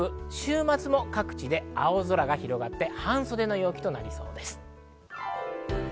気温は全国的に高く、週末も各地で青空が広がって、半袖の陽気となりそうです。